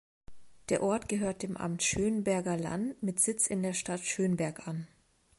Der Ort gehört dem Amt Schönberger Land mit Sitz in der Stadt Schönberg an.